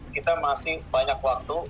kita masih banyak waktu